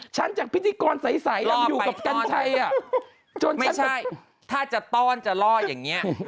ฉันจากพิธีกรใสรอไปต้อนไม่ใช่ถ้าจะต้อนจะล่ออย่างนี้